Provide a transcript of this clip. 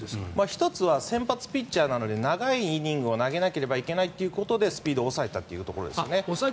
１つは先発ピッチャーなので長いイニングを投げなければいけないというところでスピードを抑えていたというところですね。